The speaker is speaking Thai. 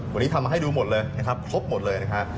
วันนี้ทำมาให้ดูหมดเลยนะครับครบหมดเลยนะฮะ